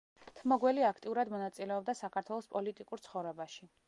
თმოგველი აქტიურად მონაწილეობდა საქართველოს პოლიტიკურ ცხოვრებაში.